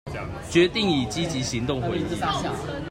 決定以積極行動回應